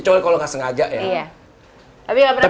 pertanyaan terakhir nih ya